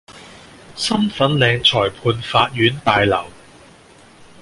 新粉嶺裁判法院大樓